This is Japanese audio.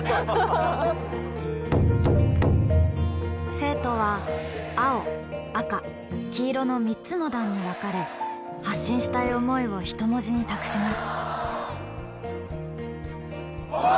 生徒は蒼紅輝の３つの団に分かれ発信したい思いを人文字に託します。